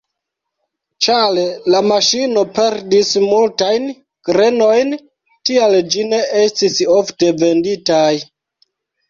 Ĉar la maŝino perdis multajn grenojn, tial ĝi ne estis ofte venditaj.